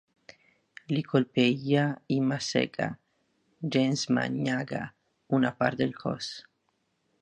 Li colpeja i masega, gens manyaga, una part del cos.